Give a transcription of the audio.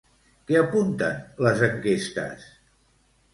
Què apunten les enquestes?